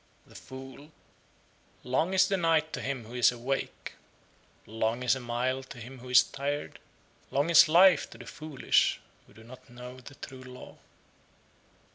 The Fool 60. Long is the night to him who is awake; long is a mile to him who is tired; long is life to the foolish who do not know the true law.